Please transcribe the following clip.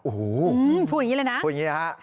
อู๋พูดอย่างนี้เลยนะพูดอย่างนี้นะฮะค่ะ